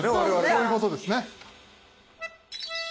そういうことですね。